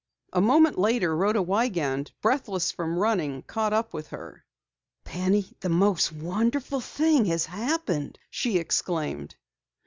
A moment later, Rhoda Wiegand, breathless from running, caught up with her. "Penny, the most wonderful thing has happened!" she exclaimed.